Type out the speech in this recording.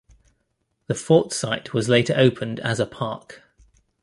The fort site was later opened as a park.